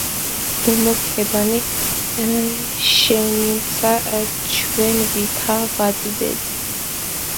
ლომო, ქებანი შენნიმცა ჩვენ ვითა ვადიადენით!